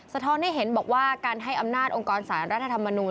ท้อนให้เห็นบอกว่าการให้อำนาจองค์กรสารรัฐธรรมนูล